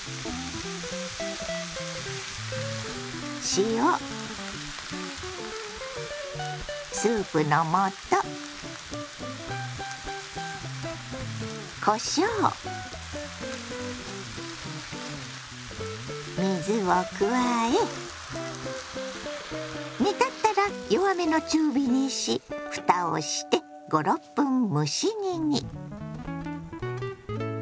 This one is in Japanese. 塩スープの素こしょう水を加え煮立ったら弱めの中火にしふたをして５６分蒸し煮に。